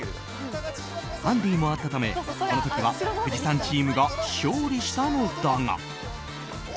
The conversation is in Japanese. ハンディもあったため、この時は久慈さんチームが勝利したのだが。